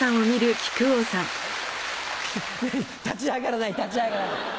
立ち上がらない立ち上がらない。